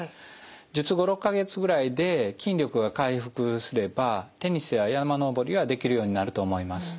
術後６か月ぐらいで筋力が回復すればテニスや山登りはできるようになると思います。